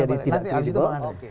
jadi tidak kredibel